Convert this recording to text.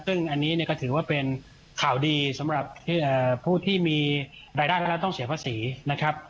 ซึ่งอันนี้ก็ถือว่าเป็นข่าวดีสำหรับผู้ที่มีรายได้แล้วต้องเสียภาษีนะครับ